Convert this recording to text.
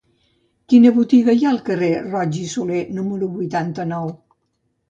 Quina botiga hi ha al carrer de Roig i Solé número vuitanta-nou?